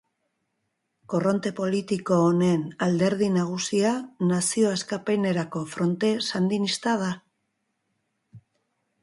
Korronte politiko honen alderdi nagusia Nazio Askapenerako Fronte Sandinista da.